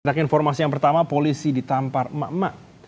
kita ke informasi yang pertama polisi ditampar emak emak